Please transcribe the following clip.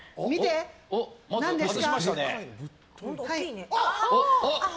何ですか？